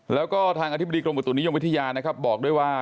แล้วก็ทางอธิบดีกรมอุตุนิยมวิทยานะครับบอกด้วยว่า